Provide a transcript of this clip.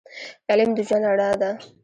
علم د ژوند رڼا ده